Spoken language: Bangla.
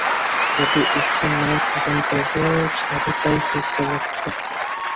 যদি ঈশ্বর নাও থাকেন, তবুও সাধুতাই শ্রেষ্ঠ লক্ষ্য।